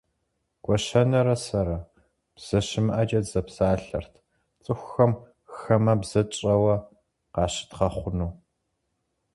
Гуащэнэрэ сэрэ, бзэ щымыӏэкӏэ дызэпсалъэрт, цӏыхухэм хамэбзэ тщӏэуэ къащыдгъэхъуну.